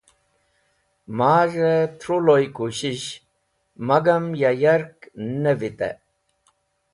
Maz̃hẽ tru loy kushish magam ya yark ne vitẽ.